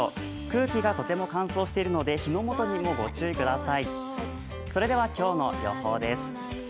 空気がとても乾燥しているので火のもとにご注意ください。